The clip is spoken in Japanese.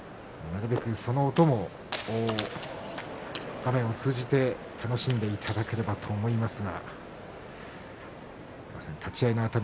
なるべくその音も画面を通じて楽しんでいただけるかと思います。